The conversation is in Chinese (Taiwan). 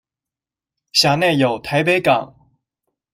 轄內有臺北港